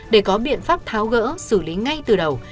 để có biện pháp tháo gỡ xử lý ngay từ đầu